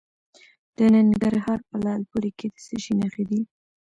د ننګرهار په لعل پورې کې د څه شي نښې دي؟